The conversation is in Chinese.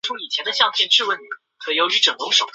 当地是西党日奉氏一族平山氏的发源地。